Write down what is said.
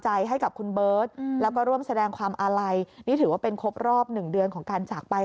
ให้กับคุณเบิร์ตแล้วก็ร่วมแสดงความอาลัยนี่ถือว่าเป็นครบรอบหนึ่งเดือนของการจากไป